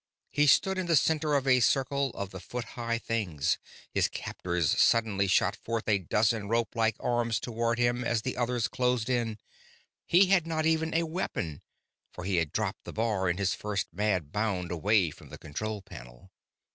He stood in the center of a circle of the foot high things. His captor suddenly shot forth a dozen rope like arms toward him as the others closed in. He had not even a weapon, for he had dropped the bar in his first mad bound away from the control panel.